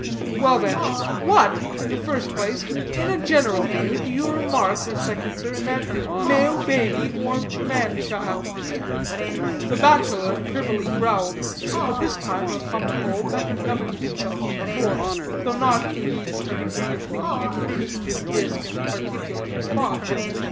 Well, then, what, in the first place, in a general view, do you remark, respected sir, in that male baby or man child?" The bachelor privily growled, but this time, upon the whole, better governed himself than before, though not, indeed, to the degree of thinking it prudent to risk an articulate response.